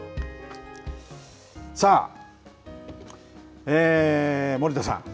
さあ森田さん。